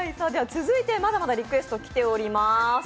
続いて、まだまだリクエスト来ております。